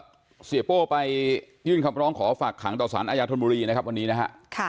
เสียโป้ไปยื่นคำร้องขอฝากขังต่อสารอาญาธนบุรีนะครับวันนี้นะฮะ